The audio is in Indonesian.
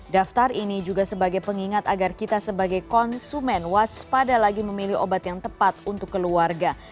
daftar ini juga sebagai pengingat agar kita sebagai konsumen waspada lagi memilih obat yang tepat untuk keluarga